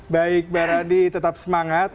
baik mbak radi tetap semangat